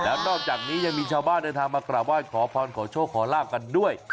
แล้วนอกจากนี้ยังมีชาวบ้านเดินทางมากราบไหว้ขอพรขอโชคขอลาบกันด้วย